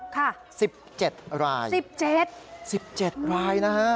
ค่ะ๑๗ราย๑๗รายนะฮะ